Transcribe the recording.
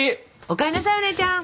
お帰んなさいお姉ちゃん！